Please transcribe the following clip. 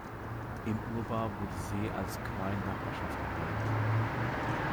Im Urbar wurde See als "Gmain Nachbarschaft" erwähnt.